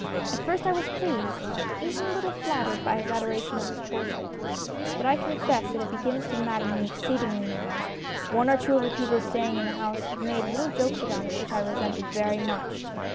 At first I was pleased, even a little flattered, by his adoration of this portrait, but I confess that it begins to madden me exceedingly now. One or two of the people staying in the house have made little jokes about it which I resented very much.